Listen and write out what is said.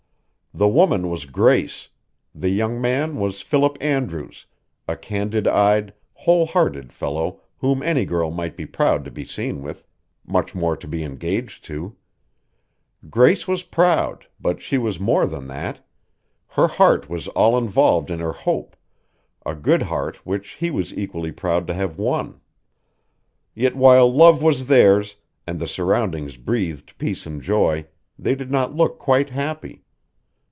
The woman was Grace, the young man was Philip Andrews, a candid eyed, whole hearted fellow whom any girl might be proud to be seen with, much more to be engaged to. Grace was proud, but she was more than that; her heart was all involved in her hope a good heart which he was equally proud to have won. Yet while love was theirs and the surroundings breathed peace and joy, they did not look quite happy.